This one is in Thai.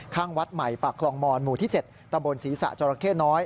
ข้างวัดใหม่ปากคลองมอนหมู่ที่๗ตำบลศรีษะจราเข้น้อย